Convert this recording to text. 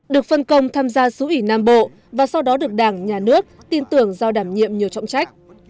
được phân công tham gia xú ủy nam bộ và sau đó được đảng nhà nước tin tưởng do đảm nhiệm nhiều trọng trách